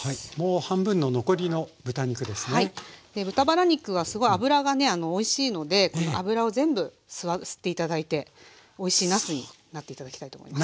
豚バラ肉はすごい脂がねおいしいのでこの脂を全部吸って頂いておいしいなすになって頂きたいと思います。